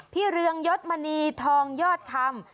เรืองยศมณีทองยอดคำ